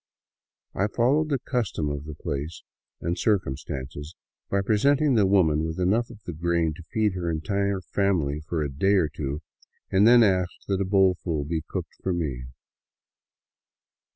I followed the custom of the place and circum stances by presenting the women with enough of the grain to feed her entire family for a day or two, then asked that a bowlful be cooked for me.